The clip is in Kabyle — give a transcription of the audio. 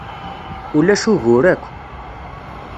Ulac ugur akk.